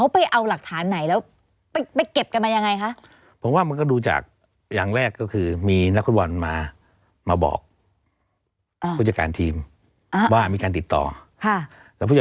เพราะว่ามันก็อาจจะมีผู้บริหารทีมมากกว่า